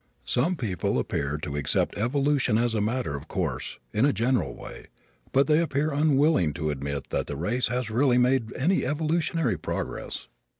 Some people appear to accept evolution as a matter of course, in a general way, but they appear unwilling to admit that the race has really made any evolutionary progress.